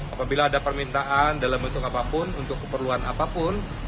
apabila ada permintaan dalam bentuk apa pun untuk keperluan apa pun